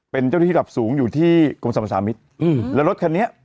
เป็นเจ้าที่พรรพสูมอยู่ที่โครงชาวสามิตดังแล้วรถคันเนี่ย